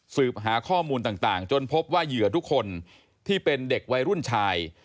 หาข้อมูลต่างจนพบว่าเหยื่อทุกคนที่เป็นเด็กวัยรุ่นชาย